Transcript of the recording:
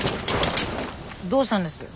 どうしたんです？